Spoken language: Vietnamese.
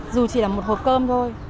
dù chỉ là một hộp cơm thôi